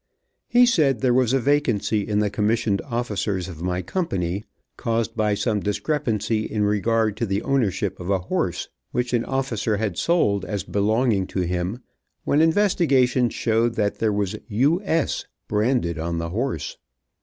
He said there was a vacancy in the commissioned officers of my company, caused, by some discrepancy in regard to the ownership of a horse which an officer had sold as belonging to him, when investigation showed that there was "U. S." branded on the horse.